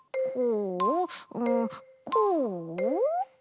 うんこう？